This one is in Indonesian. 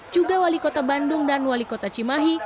juga wali kota bandung dan wali kota cimahi